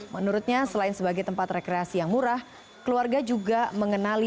menurutnya selain sebagai tempat rekreasi yang murah keluarga juga mengenali